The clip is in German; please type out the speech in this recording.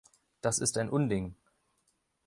Das ist ein Unding!